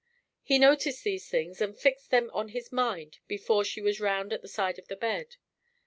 He noticed those things and fixed them on his mind before she was round at the side of the bed.